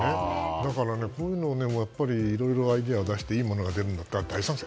だからね、こういうのいろいろアイデア出していいものが出るんだったら大賛成。